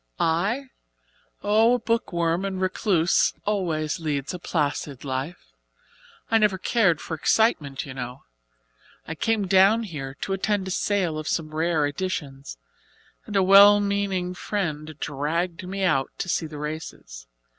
"I? Oh, a book worm and recluse always leads a placid life. I never cared for excitement, you know. I came down here to attend a sale of some rare editions, and a well meaning friend dragged me out to see the races.